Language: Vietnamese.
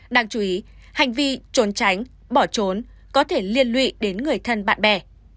đáng chú ý hành vi trốn tránh bỏ trốn có thể liên lụy đến người thân bạn bè